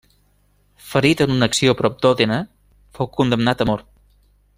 Ferit en una acció prop d’Òdena, fou condemnat a mort.